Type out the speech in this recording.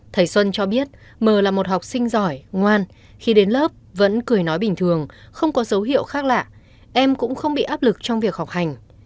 thầy xuân cho biết mờ là một học sinh giỏi ngoan khi đến lớp vẫn cười nói bình thường không có dấu hiệu khác lạ em cũng không bị áp lực trong việc học hành